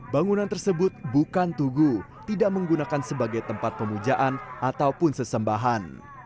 bangunan tersebut bukan tugu tidak menggunakan sebagai tempat pemujaan ataupun sesembahan